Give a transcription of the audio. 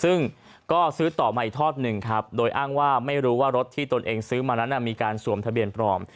ซึ่งก็ซื้อต่อมาอีกทอดหนึ่งครับโดยอ้างว่าไม่รู้ว่ารถที่ตนเองซื้อมานั้นมีการสวมทะเบียนปลอม